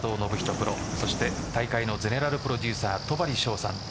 プロそして大会のゼネラルプロデューサー戸張捷さん。